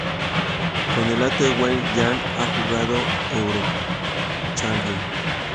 Con el Antwerp Giants ha jugado Eurochallenge.